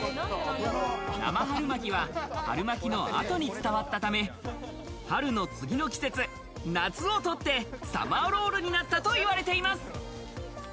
生春巻きは春巻きの後に伝わったため、春の次の季節、夏を取ってサマーロールになったといわれています。